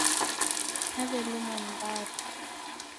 Naw'elumwa ni mbaru.